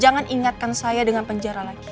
jangan ingatkan saya dengan penjara lagi